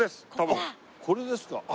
これですか。